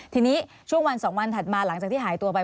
ทีนี้ช่วงวัน๒วันถัดมาหลังจากที่หายตัวไป